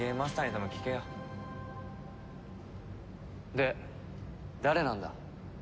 で誰なんだ？